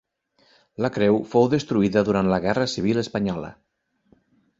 La creu fou destruïda durant la Guerra Civil espanyola.